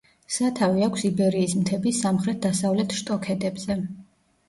სათავე აქვს იბერიის მთების სამხრეთ–დასავლეთ შტოქედებზე.